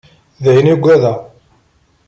D ayen i ugdeɣ.